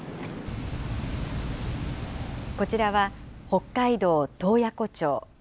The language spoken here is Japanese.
こちらは北海道洞爺湖町。